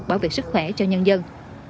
bảo vệ sức khỏe cho nhân dân